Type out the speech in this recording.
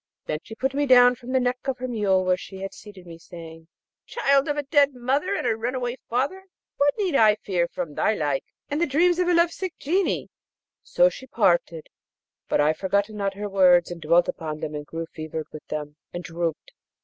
Then she put me down from the neck of her mule where she had seated me, saying, 'Child of a dead mother and a runaway father, what need I fear from thy like, and the dreams of a love sick Genie?' So she departed, but I forgot not her words, and dwelt upon them, and grew fevered with them, and drooped.